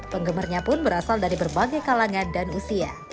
penggemarnya pun berasal dari berbagai kalangan dan usia